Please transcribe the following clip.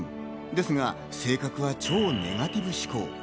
ですが、性格は超ネガティブ思考。